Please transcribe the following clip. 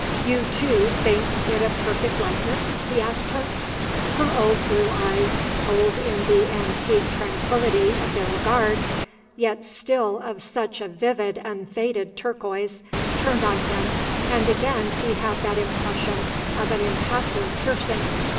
"You, too, think it a perfect likeness?" he asked her. Her old blue eyes, old in the antique tranquillity of their regard, yet still of such a vivid, unfaded turquoise, turned on him and again he had that impression of an impassive piercing.